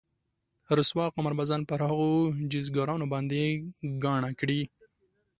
رسوا قمار بازان پر هغو جيزګرانو باندې ګاڼه کړي.